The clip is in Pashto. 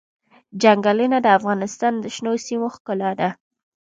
چنګلونه د افغانستان د شنو سیمو ښکلا ده.